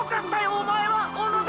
おまえは小野田！！